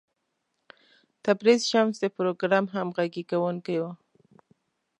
تبریز شمس د پروګرام همغږی کوونکی و.